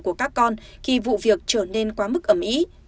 của các con khi vụ việc trở nên quá mức ấm ý